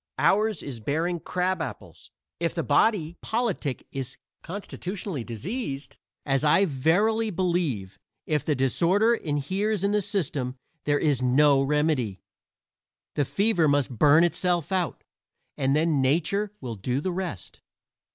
Ours is bearing crab apples. If the body politic is constitutionally diseased, as I verily believe; if the disorder inheres in the system; there is no remedy. The fever must burn itself out, and then Nature will do the rest.